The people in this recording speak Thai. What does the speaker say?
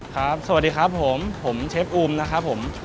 สวัสดีครับผมผมเชฟอูมนะครับผม